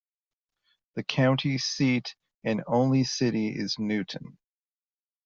The county seat and only city is Newton.